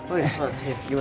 oh ya pak